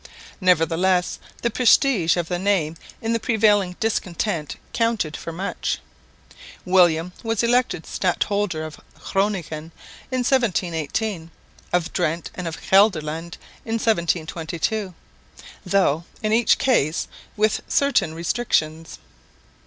Nevertheless the prestige of the name in the prevailing discontent counted for much. William was elected stadholder of Groningen in 1718, of Drente and of Gelderland in 1722, though in each case with certain restrictions.